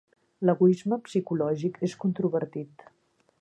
L'egoisme psicològic és controvertit.